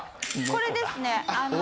これですねあの。